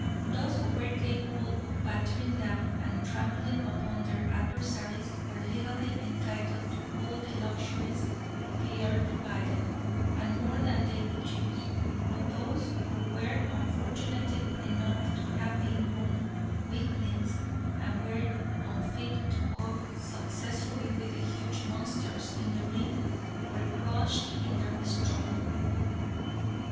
Those who were capable of battering down and trampling upon their adversaries were legally entitled to all the luxuries the earth provided and more than they could use, but those who were unfortunate enough to have been born weaklings and were unfit to cope successfully with the huge monsters in the ring, were crushed in the struggle.